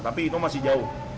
tapi itu masih jauh